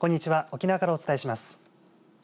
沖縄からお伝えします。